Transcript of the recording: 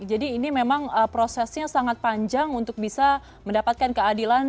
jadi ini memang prosesnya sangat panjang untuk bisa mendapatkan keadilan